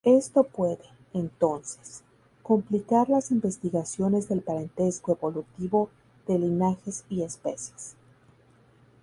Esto puede, entonces, complicar las investigaciones del parentesco evolutivo de linajes y especies.